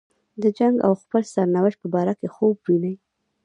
د جنګ او خپل سرنوشت په باره کې خوب ویني.